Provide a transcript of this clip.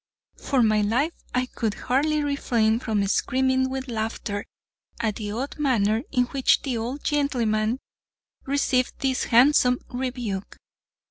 For my life I could hardly refrain from screaming with laughter at the odd manner in which the old gentleman received this handsome rebuke.